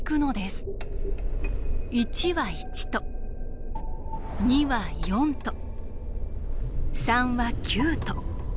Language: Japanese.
１は１と２は４と３は９と。